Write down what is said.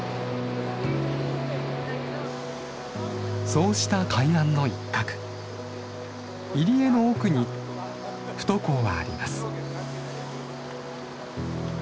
そうした海岸の一角入り江の奥に富戸港はあります。